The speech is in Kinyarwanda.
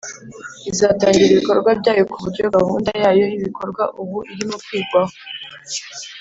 izatangira ibikorwa byayo ku buryo gahunda yayo y'ibikorwa ubu irimo kwigwaho.